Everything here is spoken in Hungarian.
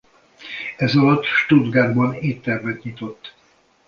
Ezalatt Stuttgartban éttermet nyitott.